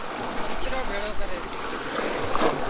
ڪچرو ڀيۯو ڪري سي